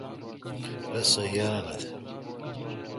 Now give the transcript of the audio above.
رس سہ یارانو تھ۔